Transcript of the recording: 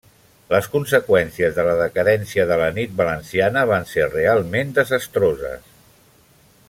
Les conseqüències de la decadència de la nit valenciana van ser realment desastroses.